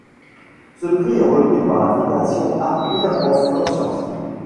Ce prix est remis par la fondation Appeal of Conscience.